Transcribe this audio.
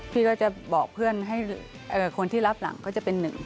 พี่ก็จะบอกเพื่อนคนที่รับหลังก็จะเป็น๑